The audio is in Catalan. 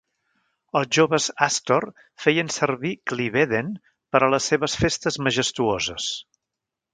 Els joves Astor feien servir Cliveden per a les seves festes majestuoses.